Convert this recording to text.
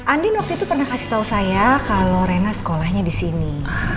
andin waktu itu pernah kasih tahu saya kalau rena sekolahnya di sini